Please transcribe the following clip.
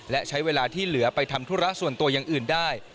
และใช้เวลาที่เหลือไปทำธุระส่วนตัวอย่างอื่นได้